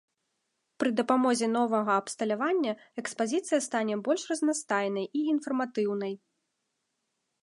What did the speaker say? Пры дапамозе новага абсталявання экспазіцыя стане больш разнастайнай і інфарматыўнай.